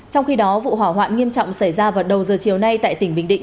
trong khi đó vụ hỏa hoạn nghiêm trọng xảy ra vào đầu giờ chiều nay tại tỉnh bình định